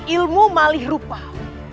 ilmu malih rupamu